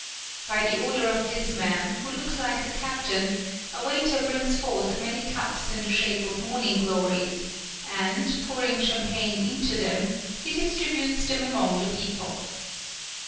By the order of this man, who looks like the captain, a waiter brings forth many cups in the shape of morning glories, and, pouring champagne into them, he distributes them among the people.